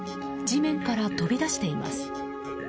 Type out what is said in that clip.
地面から飛び出しています。